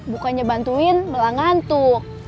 bukannya bantuin malah ngantuk